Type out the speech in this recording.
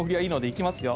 いきますよ。